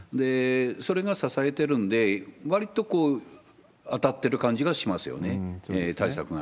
それが支えてるんで、わりと当たってる感じがしますよね、対策が。